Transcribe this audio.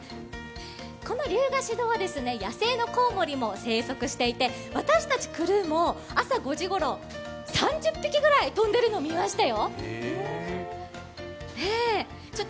この竜ヶ岩洞は野生のコウモリも生息していて私たちクルーも朝５時ごろ３０匹ぐらい飛んでるのを見ましたよ。